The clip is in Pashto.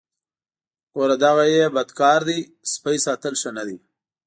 ګوره دغه یې بد کار دی سپی ساتل ښه نه دي.